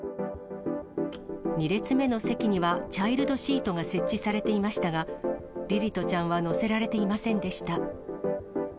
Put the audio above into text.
２列目の席にはチャイルドシートが設置されていましたが、凛々斗ちゃんは乗せられていませんでした。